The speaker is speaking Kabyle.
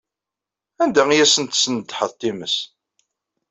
Anda ay asen-tesnedḥeḍ times?